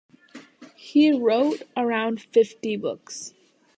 He wrote around fifty books.